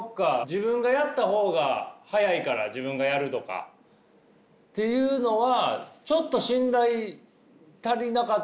自分がやった方が早いから自分がやるとかっていうのはちょっと信頼足りなかったりもするってことですかね？